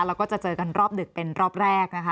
แล้วก็จะเจอกันรอบดึกเป็นรอบแรกนะคะ